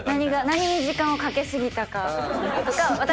何に時間をかけ過ぎたかとか私